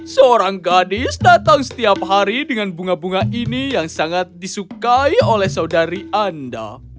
seorang gadis datang setiap hari dengan bunga bunga ini yang sangat disukai oleh saudari anda